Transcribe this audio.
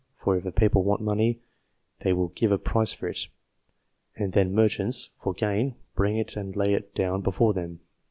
... For if a people want money, they will give a price for it ; and then merchants, for gain, bring it and lay it down before them."